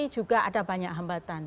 juga ada banyak hambatan